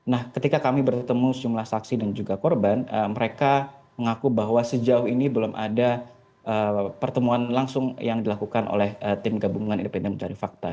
nah ketika kami bertemu sejumlah saksi dan juga korban mereka mengaku bahwa sejauh ini belum ada pertemuan langsung yang dilakukan oleh tim gabungan independen mencari fakta